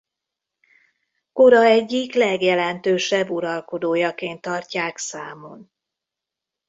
Kora egyik legjelentősebb uralkodójaként tartják számon.